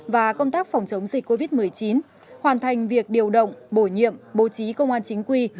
và công tác phòng chống dịch covid một mươi chín hoàn thành việc điều động bổ nhiệm bố trí công an chính quy